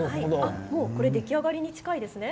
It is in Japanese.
もう出来上がりに近いですね。